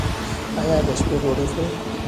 ایا د شپې ډوډۍ خورئ؟